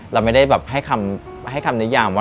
เราไม่ได้แบบให้คำนิยามว่า